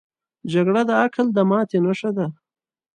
جګړه د عقل د ماتې نښه ده